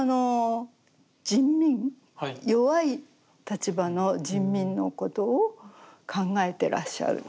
弱い立場の人民のことを考えてらっしゃる。